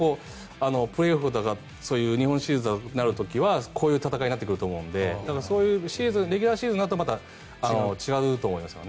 プレーオフとか日本シリーズになる時はこういう戦いになってくるのでそういうレギュラーシーズンになるとまた違うと思いますけどね。